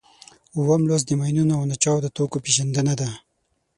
اووم لوست د ماینونو او ناچاودو توکو پېژندنه ده.